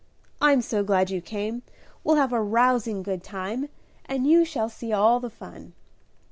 I'm so glad you came, we'll have a rousing good time, and you shall see all the fun."